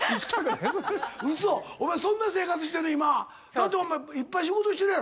だっていっぱい仕事してるやろ？